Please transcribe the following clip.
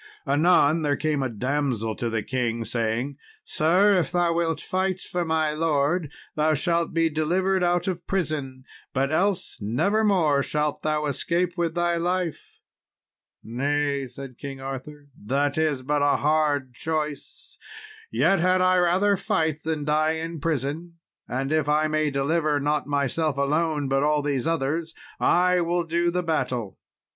Anon there came a damsel to the king, saying, "Sir if thou wilt fight for my lord thou shalt be delivered out of prison, but else nevermore shalt thou escape with thy life." "Nay," said King Arthur, "that is but a hard choice, yet had I rather fight than die in prison, and if I may deliver not myself alone, but all these others, I will do the battle."